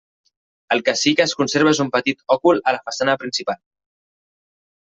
El que sí que es conserva és un petit òcul a la façana principal.